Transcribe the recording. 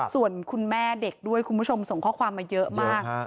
ส่วนคุณแม่เด็กด้วยคุณผู้ชมส่งข้อความมาเยอะมาก